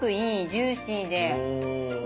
ジューシーで。